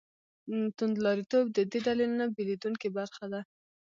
توندلاریتوب د دې ډلې نه بېلېدونکې برخه ده.